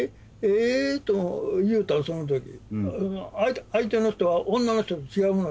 えっと言うたのその時相手の人は女の人と違うの？